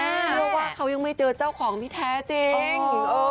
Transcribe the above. เชื่อว่าเขายังไม่เจอเจ้าของที่แท้จริง